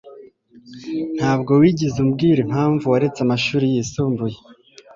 Ntabwo wigeze umbwira impamvu waretse amashuri yisumbuye.